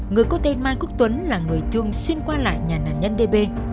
người có tên mai quốc tuấn là người thường xuyên qua lại nhà nạn nhân đê bê